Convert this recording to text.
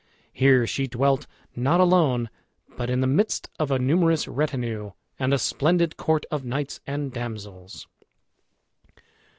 Here she dwelt not alone, but in the midst of a numerous retinue, and a splendid court of knights and damsels.